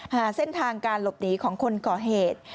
หาเส้นทางการหลบหนีของคนก่อเหตุ